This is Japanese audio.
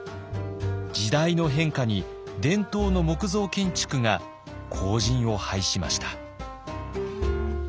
時代の変化に伝統の木造建築が後じんを拝しました。